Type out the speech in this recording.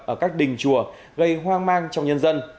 ở các đình chùa gây hoang mang trong nhân dân